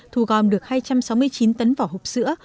thu gom được hai trăm sáu mươi chín tấn vỏ hộp sữa